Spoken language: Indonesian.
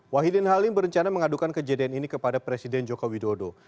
wahidin halim berencana mengadukan kejadian ini kepada presiden joko widodo